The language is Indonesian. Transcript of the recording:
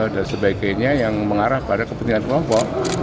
dan sebagainya yang mengarah pada kepentingan kelompok